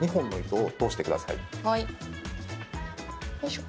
よいしょ。